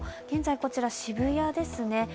現在こちら、渋谷ですね。